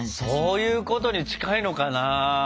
そういうことに近いのかな？